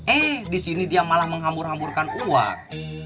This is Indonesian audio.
eh di sini dia malah menghambur hamburkan uang